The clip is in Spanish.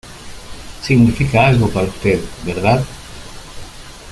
significa algo para usted, ¿ verdad?